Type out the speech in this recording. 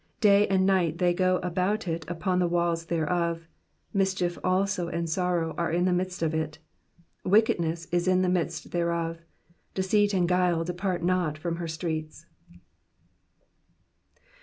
10 Day and night they go about it upon the walls thereof : mischief also and sorrow are in the midst of it. 1 1 Wickedness is in the midst thereof : deceit and guile depart not from her streets.